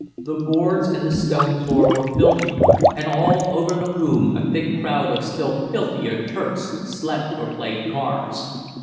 The boards and the stone floor were filthy, and all over the room a thick crowd of still filthier Turks slept or played cards.